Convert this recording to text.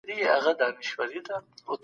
که بدلونونه ډيناميک وي نو پايلې يې ښې وي.